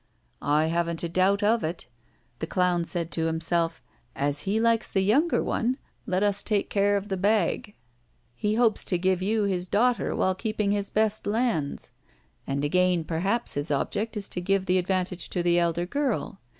"I haven't a doubt of it. The clown said to himself: 'As he likes the younger one, let us take care of the bag.' He hopes to give you his daughter while keeping his best lands. And again perhaps his object is to give the advantage to the elder girl.